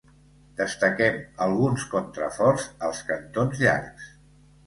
Destaquem alguns contraforts als cantons llargs.